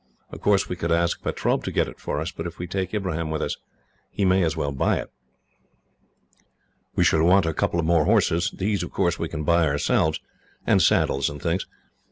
Of course, we could ask Pertaub to get it for us, but if we take Ibrahim with us he may as well buy it. "We shall want a couple more horses. These, of course, we can buy ourselves, and saddles and things.